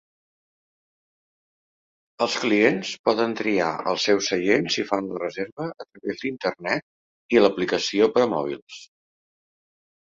Els clients poden triar els seus seients si fan la reserva a través d'Internet i l'aplicació per a mòbils.